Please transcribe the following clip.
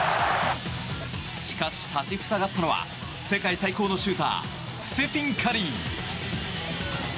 しかし、立ち塞がったのは世界最高のシューターステフィン・カリー。